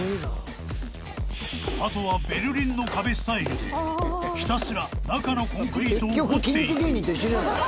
［あとはベルリンの壁スタイルでひたすら中のコンクリートを掘っていく］